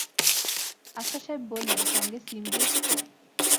আফসার সাহেব বললেন, সঙ্গে সিম দিয়েছ তো?